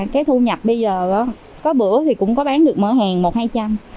cái thu nhập bây giờ có bữa thì cũng có bán được mở hàng một hai trăm